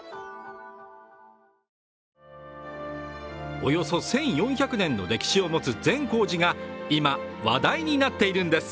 およそ１４００年の歴史を持つ善光寺が今、話題になっているんです。